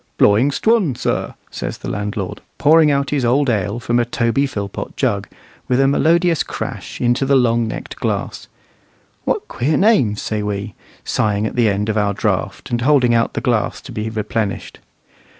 "Blawing Stwun, sir," says the landlord, pouring out his old ale from a Toby Philpot jug, with a melodious crash, into the long necked glass. "What queer names!" say we, sighing at the end of our draught, and holding out the glass to be replenished.